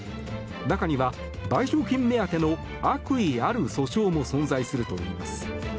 中には賠償金目当ての悪意ある訴訟も存在するといいます。